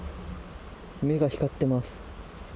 目が光ってます。